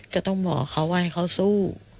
ก็ต้องบอกเขาว่าให้เขาสู้